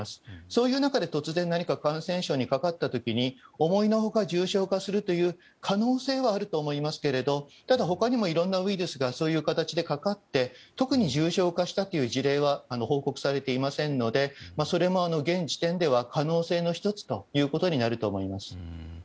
そういう中で突然、何か感染症にかかった時に思いのほか重症化する可能性はあると思いますけれどもただ、他にもいろんなウイルスがそういう形でかかって特に重症化したという事例は報告されていませんのでそれも現時点では可能性の１つとなると思います。